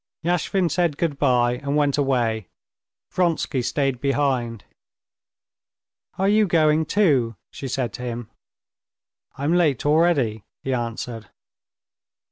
Yashvin said good bye and went away; Vronsky stayed behind. "Are you going too?" she said to him. "I'm late already," he answered.